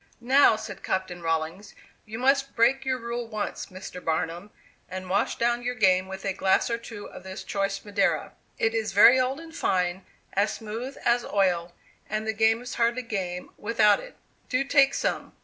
"Now," said Captain Rawlings, "you must break your rule once, Mr. Barnum, and wash down your game with a glass or two of this choice Madeira. It is very old and fine, as smooth as oil, and the game is hardly game without it. Do take some."